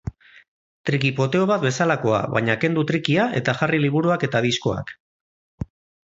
Triki-poteo bat bezalakoa, baina kendu trikia eta jarri liburuak eta diskoak.